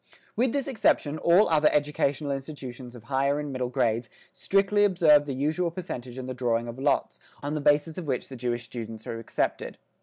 With this exception, all other educational institutions of higher and middle grades, strictly observe the usual percentage and the drawing of lots, on the basis of which the Jewish students are accepted.